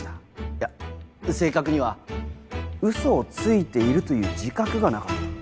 いや正確には「ウソをついている」という自覚がなかった。